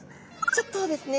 ちょっとですね